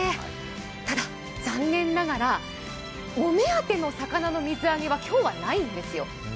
ただ、残念ながら、お目当ての魚の水揚げは今日はないんですよ。